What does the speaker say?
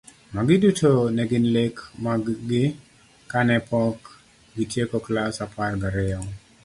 Magi duto ne gin lek mag gi kane pok gitieko klas apar gariyo.